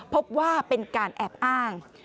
พบว่าเป็นการแอบอ้าง